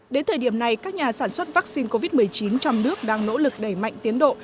đến thời điểm này các nhà sản xuất vaccine covid một mươi chín trong nước đang nỗ lực đẩy mạnh tiến độ